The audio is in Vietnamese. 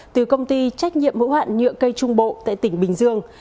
từ công ty trách nhiệm hữu hạn nhựa cây trung bộ tại tỉnh bình dương